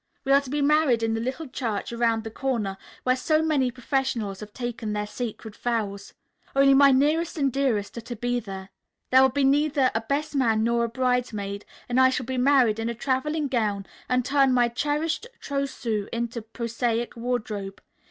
"We are to be married in the Little Church Around the Corner where so many professionals have taken their sacred vows. Only my nearest and dearest are to be there. There will be neither a best man nor a bridesmaid and I shall be married in a traveling gown and turn my cherished trousseau into prosaic wardrobe.